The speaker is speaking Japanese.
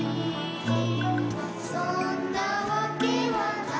「そんなわけはないけれど」